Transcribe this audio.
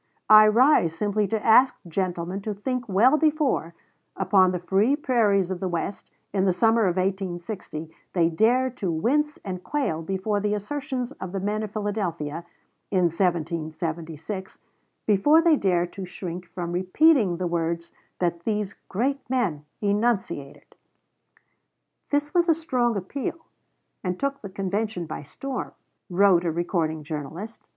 I rise simply to ask gentlemen to think well before, upon the free prairies of the West, in the summer of 1860, they dare to wince and quail before the assertions of the men in Philadelphia, in 1776 before they dare to shrink from repeating the words that these great men enunciated." "This was a strong appeal, and took the convention by storm," wrote a recording journalist.